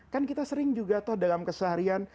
kan kita sering juga toh dalam keseharian